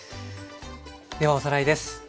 ではおさらいです。